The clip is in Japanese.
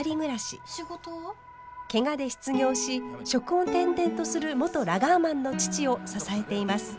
ケガで失業し職を転々とする元ラガーマンの父を支えています。